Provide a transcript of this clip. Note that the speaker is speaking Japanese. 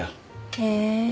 へえ。